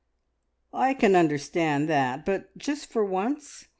"I can understand that, but just for once!